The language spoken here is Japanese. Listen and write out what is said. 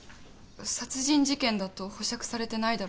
殺人事件だと保釈されてないだろうし。